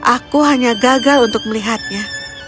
aku hanya gagal untuk melihatnya